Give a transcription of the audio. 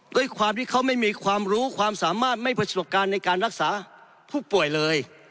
ด้วยความที่เขาไม่มีความรู้ความสามารถไม่ประสบการณ์ในการรักษาผู้ป่วยเลย